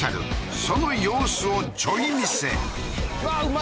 その様子をちょい見せうわうま